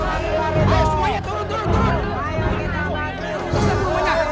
ayo semuanya turun turun turun